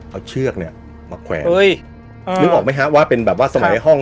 เอาเชือกเนี่ยมาแขวนนึกออกไหมฮะว่าเป็นแบบว่าสมัยห้อง